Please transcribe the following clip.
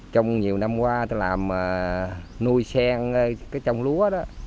trong nhiều năm qua tôi làm nuôi sen trong lúa đó